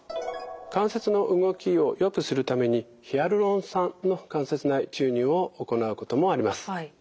関節の動きをよくするためにヒアルロン酸の関節内注入を行うこともあります。